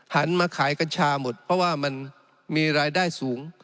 หันมาขายกัญชาหมดเพราะว่ามันมีรายได้สูง